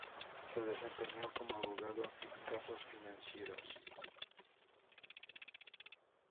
Se desempeñó como abogado en casos financieros.